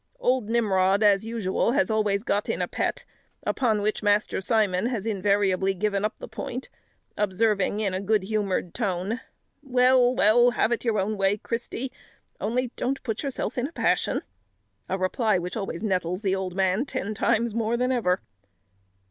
Old Nimrod, as usual, has always got in a pet, upon which Master Simon has invariably given up the point, observing in a good humoured tone, "Well, well, have it your own way, Christy; only don't put yourself in a passion;" a reply which always nettles the old man ten times more than ever.